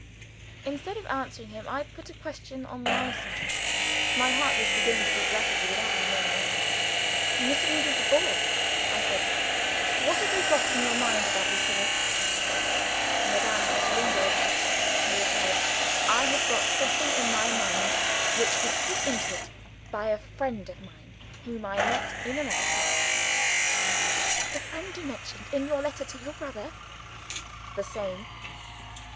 Instead of answering him, I put a question on my side. My heart was beginning to beat rapidly without my knowing why. "Mr. Nugent Dubourg," I said, "what have you got in your mind about Lucilla?" "Madame Pratolungo," he replied, "I have got something in my mind which was put into it by a friend of mine whom I met in America." "The friend you mentioned in your letter to your brother?" "The same."